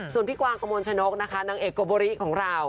ส่วนพี่กวางกระมวลชนกนะคะนางเอกโกโบริของเรา